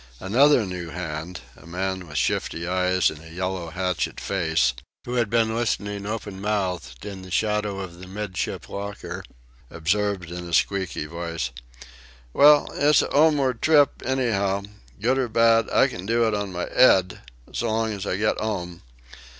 Another new hand a man with shifty eyes and a yellow hatchet face, who had been listening open mouthed in the shadow of the midship locker observed in a squeaky voice: "Well, it's a 'omeward trip, anyhow. Bad or good, I can do it on my 'ed s'long as I get 'ome.